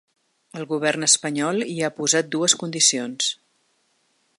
El govern espanyol hi ha posat dues condicions.